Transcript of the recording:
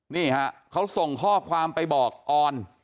นี่ฮะเขาส่งข้อความไปบอกออน